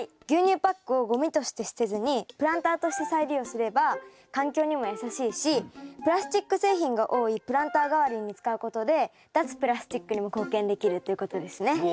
牛乳パックをゴミとして捨てずにプランターとして再利用すれば環境にもやさしいしプラスチック製品が多いプランター代わりに使うことで脱プラスチックにも貢献できるっていうことですね。